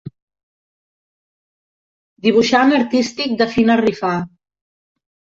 Dibuixant artístic de Fina Rifà.